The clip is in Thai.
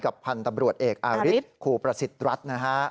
พันธุ์ตำรวจเอกอาริสครูประสิทธิ์รัฐนะฮะ